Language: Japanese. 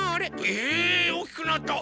えっ⁉おおきくなった！